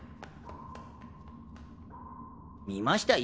見ました？